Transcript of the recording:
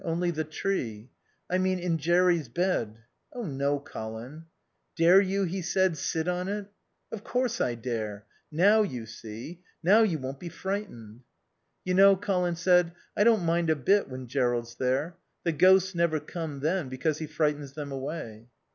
Only the tree." "I mean in Jerry's bed." "Oh no, Colin." "Dare you," he said, "sit on it?" "Of course I dare. Now you see. Now you won't be frightened." "You know," Colin said, "I don't mind a bit when Jerrold's there. The ghosts never come then, because he frightens them away."